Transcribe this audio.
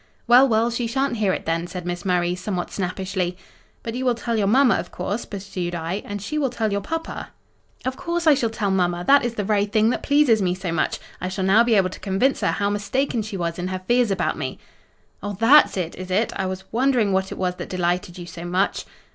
"Well, well, she shan't hear it then," said Miss Murray, somewhat snappishly. "But you will tell your mamma, of course," pursued I; "and she will tell your papa." "Of course I shall tell mamma—that is the very thing that pleases me so much. I shall now be able to convince her how mistaken she was in her fears about me." "Oh, that's it, is it? I was wondering what it was that delighted you so much."